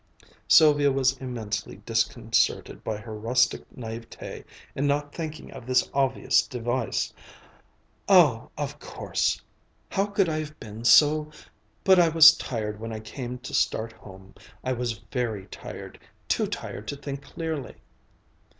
Sylvia was immensely disconcerted by her rustic naïveté in not thinking of this obvious device. "Oh, of course! How could I have been so but I was tired when I came to start home I was very tired too tired to think clearly!"